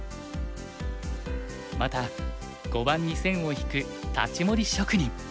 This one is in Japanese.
また碁盤に線を引く太刀盛り職人。